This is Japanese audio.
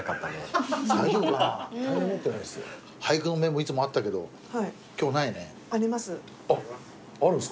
いつもあったけど今日ないね。あります。